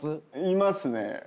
いますね。